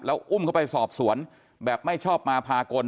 อุ้มเข้าไปสอบสวนแบบไม่ชอบมาพากล